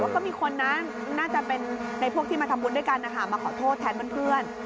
ขอบงานที่มาทำพุทธด้วยกันมาขอโทษแทนเพื่อน